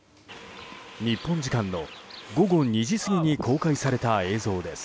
日本時間の午後２時過ぎに公開された映像です。